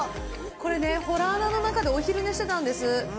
これね、ほら穴の中で、お昼寝してたんです。